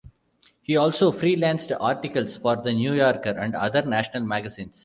He also free-lanced articles for "The New Yorker" and other national magazines.